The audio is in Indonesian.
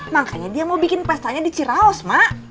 makanya dia mau bikin pestanya di ciraus mak